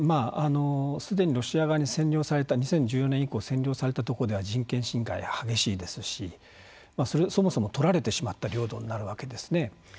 すでにロシア側に２０１４年以降占領されたとこでは人権侵害が激しいですしそもそもとられてしまった領土になるわけですね。